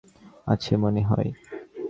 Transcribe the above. আছে মনে হয়।